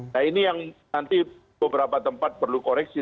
nah ini yang nanti beberapa tempat perlu koreksi